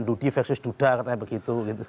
dudie versus duda katanya begitu